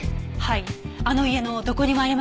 あの家のどこにもありませんでした。